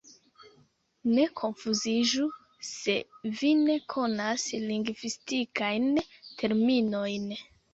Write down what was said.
Ne konfuziĝu, se vi ne konas lingvistikajn terminojn.